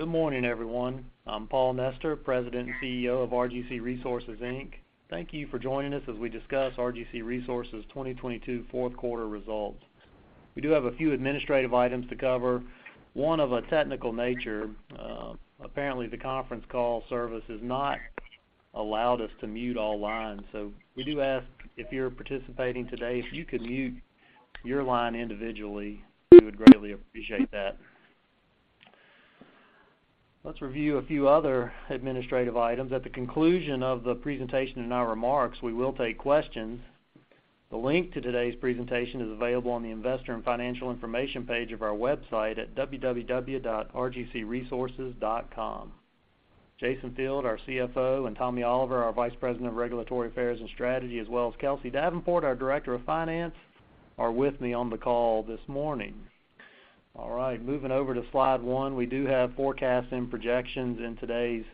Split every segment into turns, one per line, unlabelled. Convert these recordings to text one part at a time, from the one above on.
Good morning, everyone. I'm Paul Nester, President and CEO of RGC Resources Inc. Thank you for joining us as we discuss RGC Resources' 2022 fourth quarter results. We do have a few administrative items to cover, one of a technical nature. Apparently, the conference call service has not allowed us to mute all lines. We do ask if you're participating today, if you could mute your line individually, we would greatly appreciate that. Let's review a few other administrative items. At the conclusion of the presentation and our remarks, we will take questions. The link to today's presentation is available on the Investor and Financial Information page of our website at www.rgcresources.com. Jason Field, our CFO, and Tommy Oliver, our Vice President of Regulatory Affairs and Strategy, as well as Kelsey Davenport, our Director of Finance, are with me on the call this morning. All right, moving over to slide one. We do have forecasts and projections in today's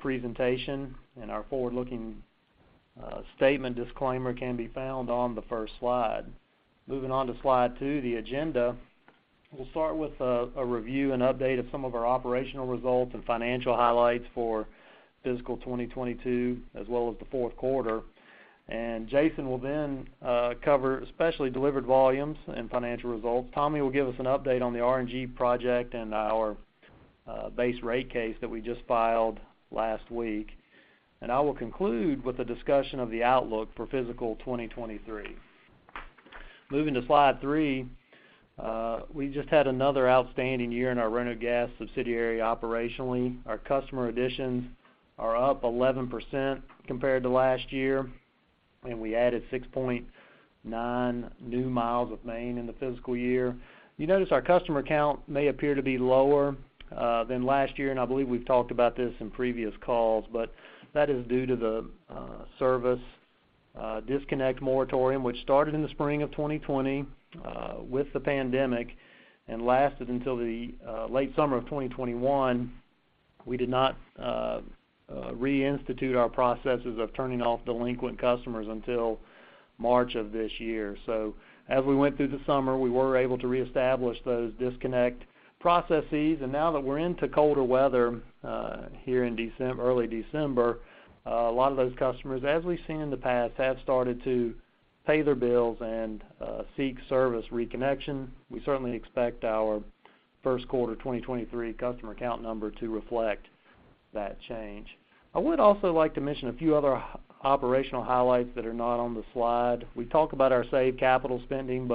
presentation. Our forward-looking statement disclaimer can be found on the first slide. Moving on to slide two, the agenda. We'll start with a review and update of some of our operational results and financial highlights for fiscal 2022, as well as the fourth quarter. Jason will then cover especially delivered volumes and financial results. Tommy will give us an update on the RNG project and our base rate case that we just filed last week. I will conclude with a discussion of the outlook for fiscal 2023. Moving to slide three, we just had another outstanding year in our Roanoke Gas subsidiary operationally. Our customer additions are up 11% compared to last year, and we added 6.9 new mi of main in the fiscal year. You notice our customer count may appear to be lower than last year, and I believe we've talked about this in previous calls, but that is due to the service disconnect moratorium, which started in the spring of 2020 with the pandemic and lasted until the late summer of 2021. We did not reinstitute our processes of turning off delinquent customers until March of this year. As we went through the summer, we were able to reestablish those disconnect processes. Now that we're into colder weather here in early December, a lot of those customers, as we've seen in the past, have started to pay their bills and seek service reconnection. We certainly expect our first quarter 2023 customer count number to reflect that change. I would also like to mention a few other operational highlights that are not on the slide. We talk about our SAVE capital spending,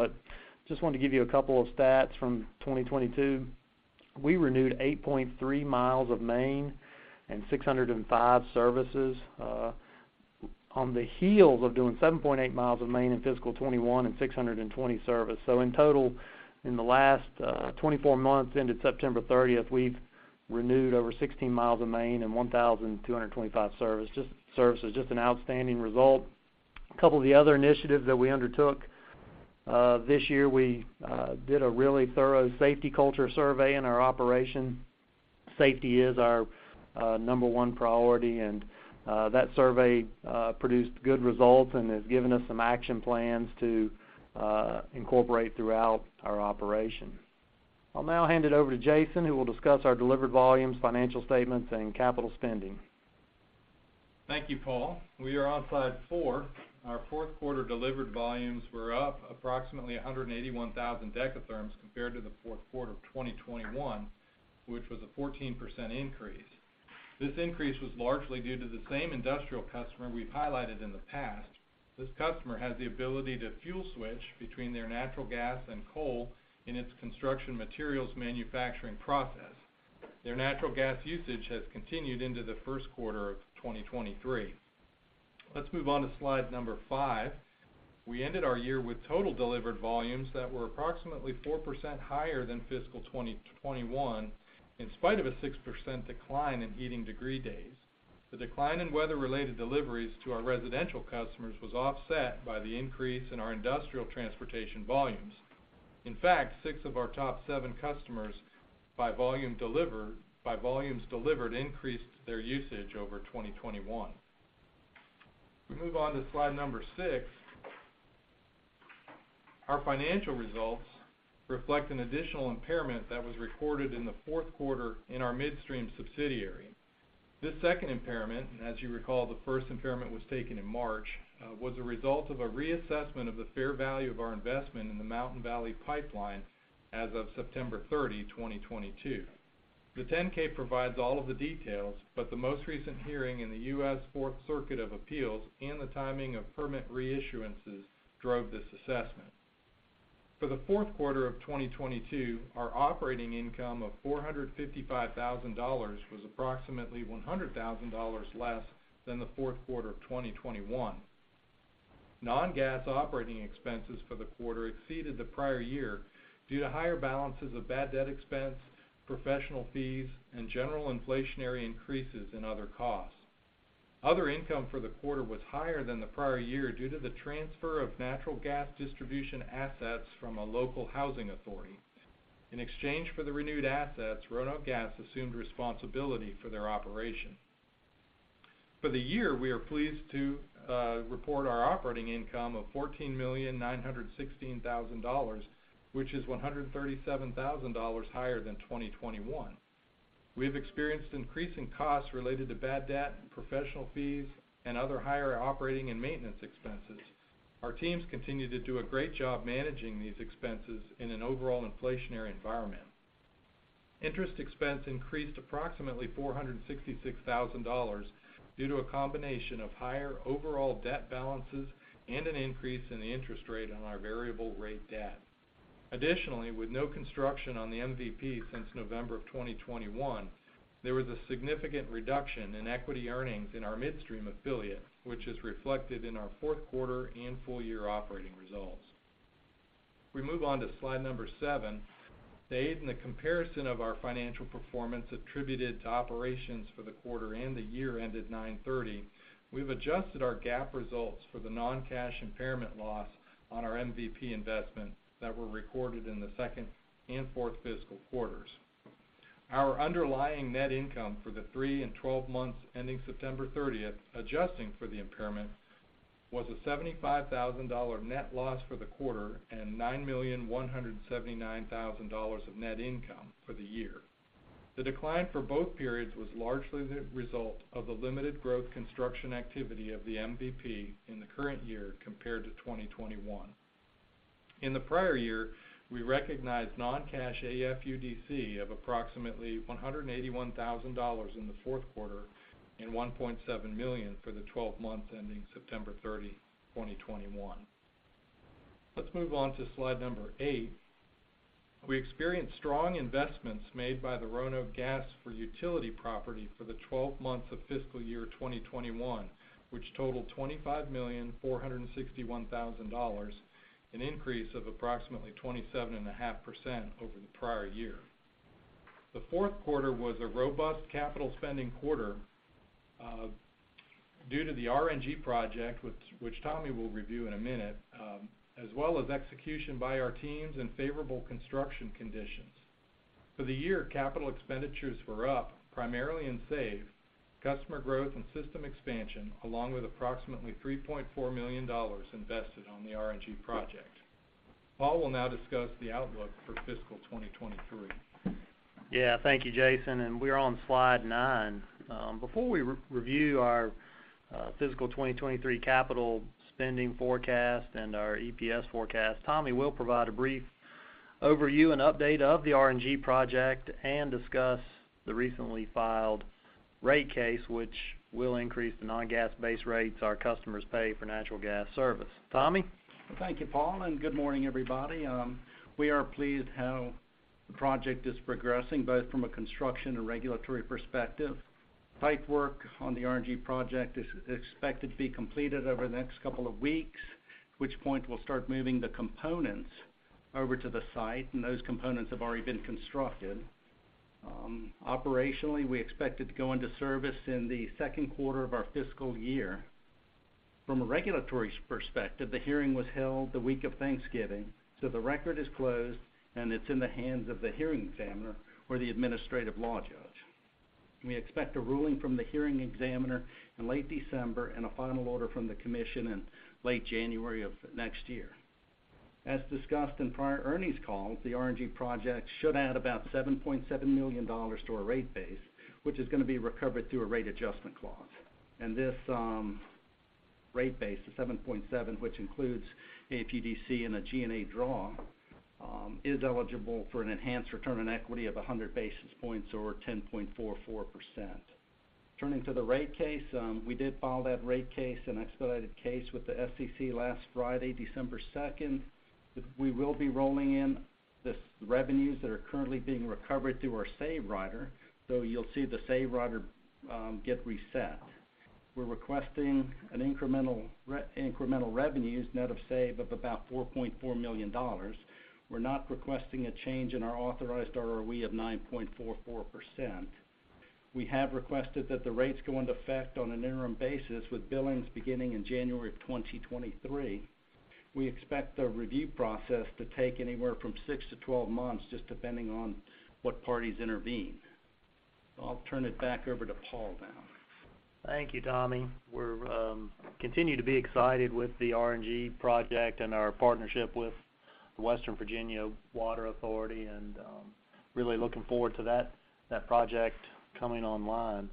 just wanted to give you a couple of stats from 2022. We renewed 8.3 mi of main and 605 services, on the heels of doing 7.8 mi of main in fiscal 2021 and 620 services. In total, in the last 24 months ended September 30th, we've renewed over 16 mi of main and 1,225 services. Just an outstanding result. A couple of the other initiatives that we undertook this year, we did a really thorough safety culture survey in our operation. Safety is our number one priority, and that survey produced good results and has given us some action plans to incorporate throughout our operation. I'll now hand it over to Jason, who will discuss our delivered volumes, financial statements, and capital spending.
Thank you, Paul. We are on slide four. Our fourth quarter delivered volumes were up approximately 181,000 decatherms compared to the fourth quarter of 2021, which was a 14% increase. This increase was largely due to the same industrial customer we've highlighted in the past. This customer has the ability to fuel switch between their natural gas and coal in its construction materials manufacturing process. Their natural gas usage has continued into the first quarter of 2023. Let's move on to slide number five. We ended our year with total delivered volumes that were approximately 4% higher than fiscal 2021, in spite of a 6% decline in heating degree days. The decline in weather-related deliveries to our residential customers was offset by the increase in our industrial transportation volumes. In fact, six of our top seven customers by volumes delivered increased their usage over 2021. If we move on to slide number six, our financial results reflect an additional impairment that was recorded in the fourth quarter in our midstream subsidiary. This second impairment, as you recall, the first impairment was taken in March, was a result of a reassessment of the fair value of our investment in the Mountain Valley Pipeline as of September 30, 2022. The 10-K provides all of the details, the most recent hearing in the U.S. Fourth Circuit of Appeals and the timing of permit reissuances drove this assessment. For the fourth quarter of 2022, our operating income of $455,000 was approximately $100,000 less than the fourth quarter of 2021. Non-gas operating expenses for the quarter exceeded the prior year due to higher balances of bad debt expense, professional fees, and general inflationary increases in other costs. Other income for the quarter was higher than the prior year due to the transfer of natural gas distribution assets from a local housing authority. In exchange for the renewed assets, Roanoke Gas assumed responsibility for their operation. For the year, we are pleased to report our operating income of $14,916,000, which is $137,000 higher than 2021. We've experienced increasing costs related to bad debt, professional fees, and other higher operating and maintenance expenses. Our teams continue to do a great job managing these expenses in an overall inflationary environment. Interest expense increased approximately $466,000 due to a combination of higher overall debt balances and an increase in the interest rate on our variable rate debt. With no construction on the MVP since November of 2021, there was a significant reduction in equity earnings in our midstream affiliate, which is reflected in our fourth quarter and full year operating results. We move on to slide number seven. In the comparison of our financial performance attributed to operations for the quarter and the year ended 9/30, we've adjusted our GAAP results for the non-cash impairment loss on our MVP investment that were recorded in the second and fourth fiscal quarters. Our underlying net income for the three and twelve months ending September 30th, adjusting for the impairment, was a $75,000 net loss for the quarter and $9,179,000 of net income for the year. The decline for both periods was largely the result of the limited growth construction activity of the MVP in the current year compared to 2021. In the prior year, we recognized non-cash AFUDC of approximately $181,000 in the fourth quarter and $1.7 million for the 12 months ending September 30, 2021. Let's move on to slide number eight. We experienced strong investments made by the Roanoke Gas for utility property for the 12 months of fiscal year 2021, which totaled $25,461,000, an increase of approximately 27.5% over the prior year. The fourth quarter was a robust capital spending quarter due to the RNG project, which Tommy will review in a minute, as well as execution by our teams and favorable construction conditions. For the year, capital expenditures were up, primarily in SAVE, customer growth, and system expansion, along with approximately $3.4 million invested on the RNG project. Paul will now discuss the outlook for fiscal 2023.
Yeah. Thank you, Jason, we're on slide nine. Before we re-review our fiscal 2023 capital spending forecast and our EPS forecast, Tommy will provide a brief overview and update of the RNG project and discuss the recently filed rate case which will increase the non-gas base rates our customers pay for natural gas service. Tommy?
Thank you, Paul, and good morning, everybody. We are pleased how the project is progressing, both from a construction and regulatory perspective. Pipe work on the RNG project is expected to be completed over the next couple of weeks, at which point we'll start moving the components over to the site, and those components have already been constructed. Operationally, we expect it to go into service in the second quarter of our fiscal year. From a regulatory perspective, the hearing was held the week of Thanksgiving, so the record is closed, and it's in the hands of the hearing examiner or the administrative law judge. We expect a ruling from the hearing examiner in late December and a final order from the Commission in late January of next year. As discussed in prior earnings calls, the RNG project should add about $7.7 million to our rate base, which is gonna be recovered through a rate adjustment clause. This rate base, the $7.7, which includes AFUDC and a G&A draw, is eligible for an enhanced return on equity of 100 basis points or 10.44%. Turning to the rate case, we did file that rate case, an expedited case, with the SEC last Friday, December 2nd. We will be rolling in this revenues that are currently being recovered through our SAVE rider, so you'll see the SAVE rider get reset. We're requesting an incremental revenues net of SAVE of about $4.4 million. We're not requesting a change in our authorized ROE of 9.44%. We have requested that the rates go into effect on an interim basis with billings beginning in January of 2023. We expect the review process to take anywhere from six to 12 months, just depending on what parties intervene. I'll turn it back over to Paul now.
Thank you, Tommy. We're continue to be excited with the RNG project and our partnership with Western Virginia Water Authority, and really looking forward to that project coming online.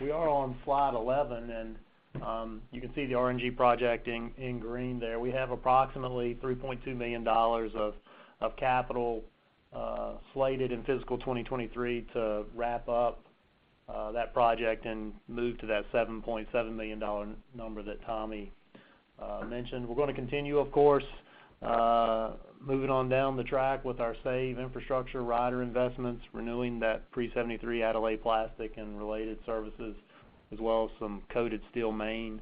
We are on slide 11, you can see the RNG project in green there. We have approximately $3.2 million of capital slated in fiscal 2023 to wrap up that project and move to that $7.7 million number that Tommy mentioned. We're gonna continue, of course, moving on down the track with our SAVE infrastructure rider investments, renewing that pre-1973 Aldyl-A plastic and related services, as well as some coated steel main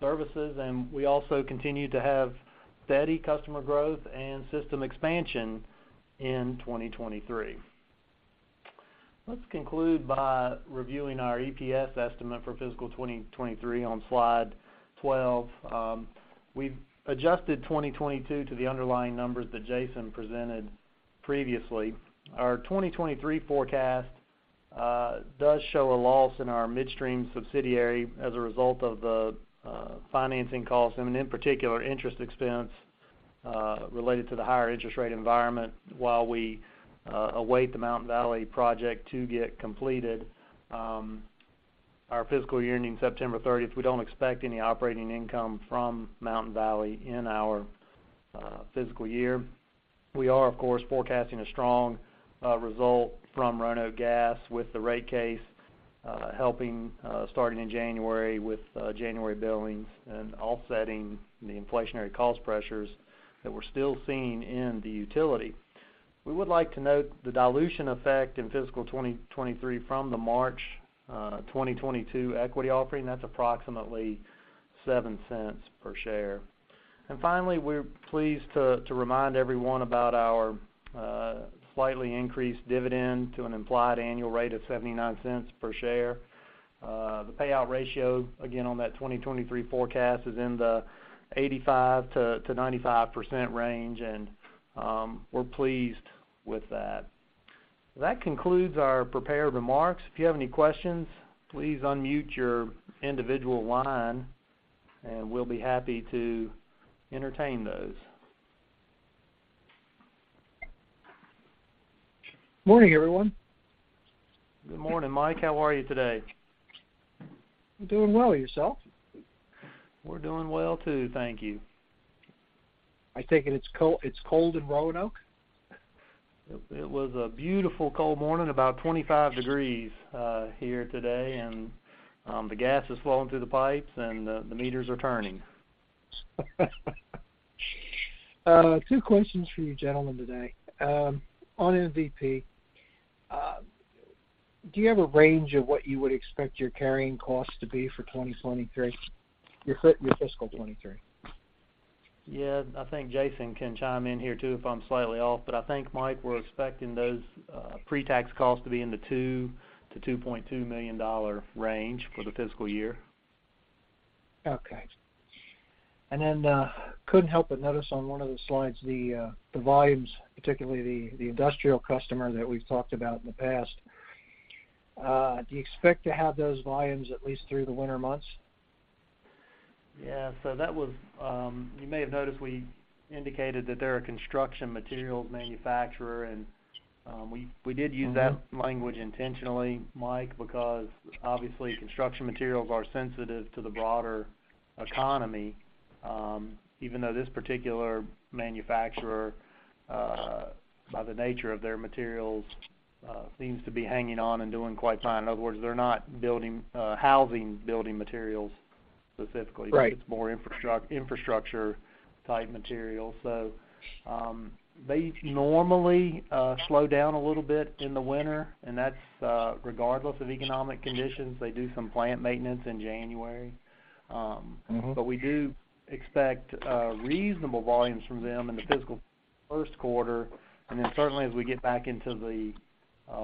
services. We also continue to have steady customer growth and system expansion in 2023. Let's conclude by reviewing our EPS estimate for fiscal 2023 on slide 12. We've adjusted 2022 to the underlying numbers that Jason presented. Previously, our 2023 forecast does show a loss in our midstream subsidiary as a result of the financing costs, and in particular, interest expense related to the higher interest rate environment while we await the Mountain Valley project to get completed. Our fiscal year ending September 30th, we don't expect any operating income from Mountain Valley in our fiscal year. We are, of course, forecasting a strong result from Roanoke Gas with the rate case helping starting in January with January billings and offsetting the inflationary cost pressures that we're still seeing in the utility. We would like to note the dilution effect in fiscal 2023 from the March 2022 equity offering. That's approximately $0.07 per share. Finally, we're pleased to remind everyone about our slightly increased dividend to an implied annual rate of $0.79 per share. The payout ratio, again, on that 2023 forecast is in the 85%-95% range, and we're pleased with that. That concludes our prepared remarks. If you have any questions, please unmute your individual line, and we'll be happy to entertain those.
Morning, everyone.
Good morning, Mike. How are you today?
I'm doing well. Yourself?
We're doing well too. Thank you.
I take it it's cold in Roanoke?
It was a beautiful cold morning, about 25 degrees here today, and the gas is flowing through the pipes and the meters are turning.
Two questions for you gentlemen today. On MVP, do you have a range of what you would expect your carrying costs to be for 2023, your fiscal 2023?
Yeah. I think Jason can chime in here too if I'm slightly off. I think, Mike, we're expecting those pretax costs to be in the $2 million-$2.2 million range for the fiscal year.
Okay. Couldn't help but notice on one of the slides, the volumes, particularly the industrial customer that we've talked about in the past. Do you expect to have those volumes at least through the winter months?
You may have noticed we indicated that they're a construction materials manufacturer and we did use that language intentionally, Mike, because obviously, construction materials are sensitive to the broader economy, even though this particular manufacturer, by the nature of their materials, seems to be hanging on and doing quite fine. In other words, they're not building housing building materials specifically.
Right.
It's more infrastructure type materials. They normally slow down a little bit in the winter, That's regardless of economic conditions. They do some plant maintenance in January.
Mm-hmm.
We do expect reasonable volumes from them in the fiscal first quarter. Certainly as we get back into the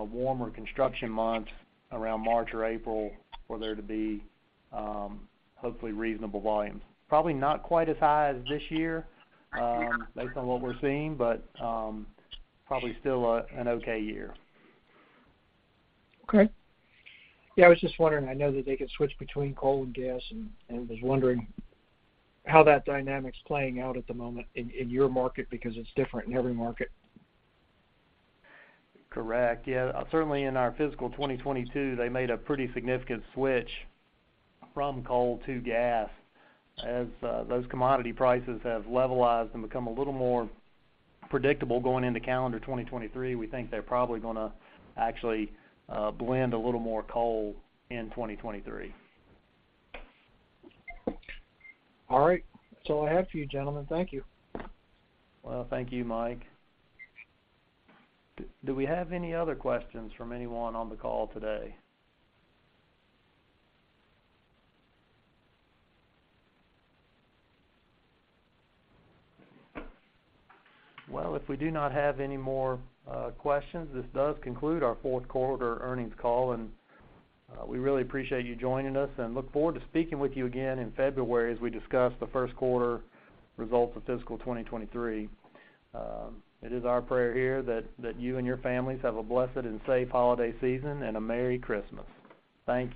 warmer construction months around March or April, for there to be hopefully reasonable volumes. Probably not quite as high as this year, based on what we're seeing, but, probably still, an okay year.
Okay. Yeah, I was just wondering. I know that they could switch between coal and gas and was wondering how that dynamic's playing out at the moment in your market because it's different in every market.
Correct. Yeah. Certainly in our fiscal 2022, they made a pretty significant switch from coal to gas. Those commodity prices have levelized and become a little more predictable going into calendar 2023, we think they're probably gonna actually blend a little more coal in 2023.
All right. That's all I have for you, gentlemen. Thank you.
Well, thank you, Mike. Do we have any other questions from anyone on the call today? Well, if we do not have any more questions, this does conclude our fourth quarter earnings call. We really appreciate you joining us and look forward to speaking with you again in February as we discuss the first quarter results of fiscal 2023. It is our prayer here that you and your families have a blessed and safe holiday season and a Merry Christmas. Thank you.